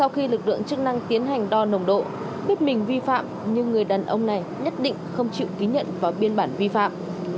khi lực lượng chức năng tiến hành đo nồng độ biết mình vi phạm nhưng người đàn ông này nhất định không chịu ký nhận vào biên bản vi phạm